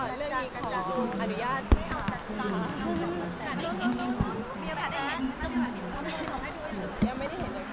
ยังไม่ได้เห็นจากชาเจนแหละว่ามีคำถ่อยมา